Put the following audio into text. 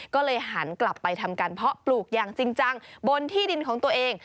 ก็เลยหันกลับไปทำการเพาะปลูกอย่างจริงจังบนที่ดินของตัวเอง